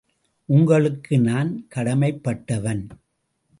உங்களுக்கு நான் கடமைப்பட்டவன்.